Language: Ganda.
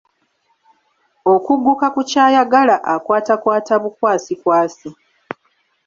Okugguka ku ky'ayagala akwatakwata bukwasikwasi.